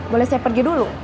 boleh saya pergi dulu